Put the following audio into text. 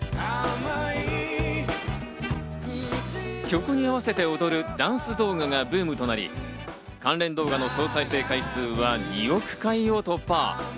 曲に合わせて踊るダンス動画がブームとなり、関連動画の総再生回数は２億回を突破。